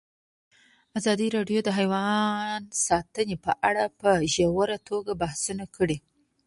ازادي راډیو د حیوان ساتنه په اړه په ژوره توګه بحثونه کړي.